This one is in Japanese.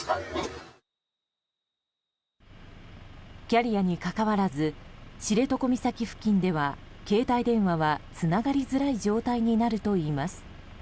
キャリアに関わらず知床岬付近では携帯電話はつながりづらい状態になるといいます。